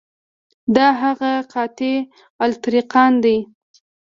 دا هغه قطاع الطریقان دي.